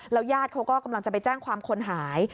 ญาติเขาก็กำลังจะไปแจ้งความคนหาย